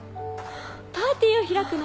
パーティーを開くの。